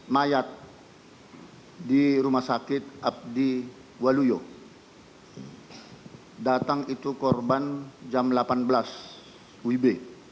mayat di rumah sakit abdi waluyo datang itu korban jam delapan belas wib